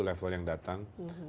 level yang datang